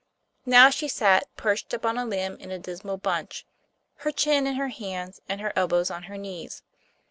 Now she sat perched up on a limb in a dismal bunch, her chin in her hands and her elbows on her knees.